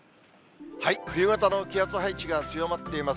冬型の気圧配置が強まっています。